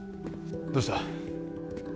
どうした？